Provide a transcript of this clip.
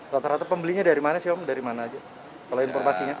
rata rata pembelinya dari mana sih om dari mana aja kalau informasinya